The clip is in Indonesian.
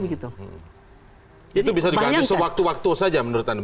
itu bisa diganti sewaktu waktu saja menurut anda